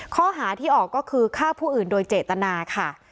ข้อหาที่ออกก็คือฆ่าผู้อื่นโดยเจตนาค่ะ